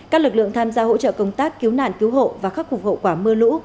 các lực lượng tham gia hỗ trợ công tác cứu nạn cứu hộ và khắc phục hậu quả mưa lũ